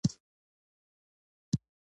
ځکه نور نشم ليدلى سترګې مې پرې سوزي.